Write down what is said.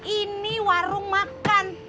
ini warung makan